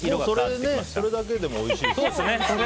それだけでもおいしいですね。